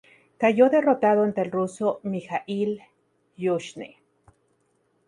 Cayó derrotado ante el ruso Mijaíl Yuzhny.